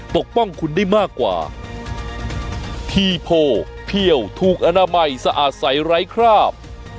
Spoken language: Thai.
ปกป้องคุณได้มากกว่าทีโพเพี่ยวถูกอนามัยสะอาดใสไร้คราบ